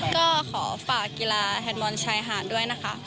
ก็ขอฝากกีฬาแฮนดบอลชายหาดด้วยนะคะ